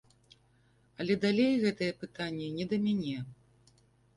Але далей гэтае пытанне не да мяне.